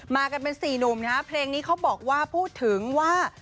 มากันเป็นสี่หนุ่มนะฮะเพลงนี้เขาบอกว่าพูดถึงว่า